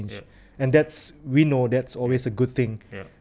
dan kita tahu itu adalah hal yang baik